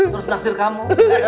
terus berhasil kamu